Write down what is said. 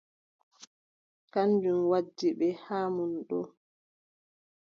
Kanjum waddi ɓe haa mon ɗo.